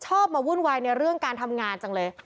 ชอบมาวุ่นวายในเรื่องการทำงานจังเลย